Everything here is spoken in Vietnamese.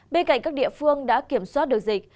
bên cạnh các địa phương đã kiểm soát được dịch